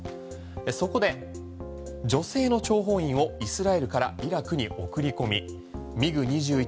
そこで、女性の諜報員をイスラエルからイラクに送り込みＭｉＧ２１